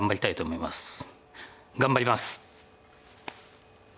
頑張ります！